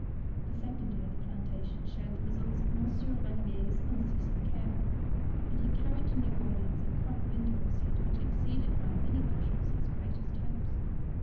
The second year the plantation showed the results of Monsieur Val vier's unceasing care, and he carried to New Orleans a crop of indigo seed which exceeded by many bushels his greatest hopes.